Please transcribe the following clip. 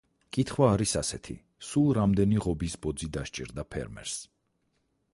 კითხვა არის ასეთი, სულ რამდენი ღობის ბოძი დასჭირდა ფერმერს.